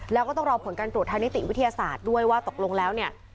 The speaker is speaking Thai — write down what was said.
แล้วก็ต้องรอผลการตรวจทางนิติวิทยาศาสตร์ด้วยว่าตกลงแล้วเนี่ย